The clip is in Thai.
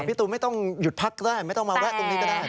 ตูมไม่ต้องหยุดพักก็ได้ไม่ต้องมาแวะตรงนี้ก็ได้